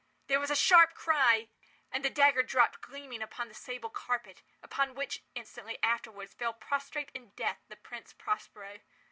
There was a sharp cry—and the dagger dropped gleaming upon the sable carpet, upon which, instantly afterwards, fell prostrate in death the Prince Prospero.